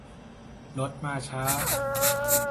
รถมาช้า